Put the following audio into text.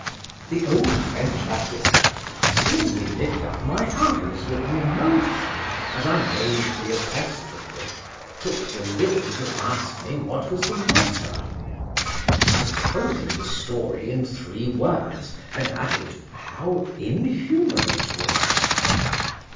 The old French officer, seeing me lift up my eyes with an emotion, as I made the apostrophe, took the liberty to ask me what was the matter?—I told him the story in three words; and added, how inhuman it was.